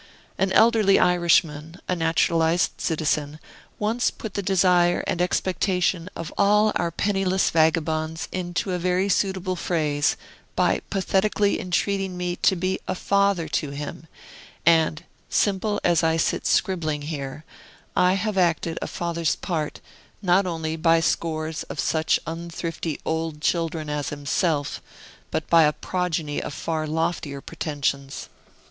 An elderly Irishman, a naturalized citizen, once put the desire and expectation of all our penniless vagabonds into a very suitable phrase, by pathetically entreating me to be a "father to him"; and, simple as I sit scribbling here, I have acted a father's part, not only by scores of such unthrifty old children as himself, but by a progeny of far loftier pretensions.